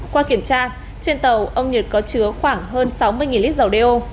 qua kiểm tra trên tàu ông nhật có chứa khoảng hơn sáu mươi lít dầu đeo